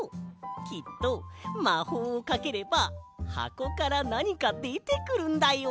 きっとまほうをかければはこからなにかでてくるんだよ。